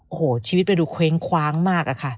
โอ้โหชีวิตมันดูเคว้งคว้างมาก